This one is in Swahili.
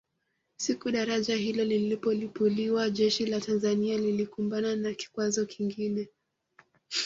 Siku daraja hilo lilipolipuliwa jeshi la Tanzania lilikumbana na kikwazo kingine